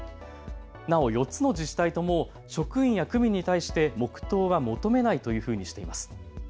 なお４つの自治体とも職員や区民に対して黙とうは求めないというふうにしています。